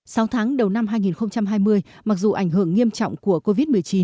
sau tháng đầu năm hai nghìn hai mươi mặc dù ảnh hưởng nghiêm trọng của covid một mươi chín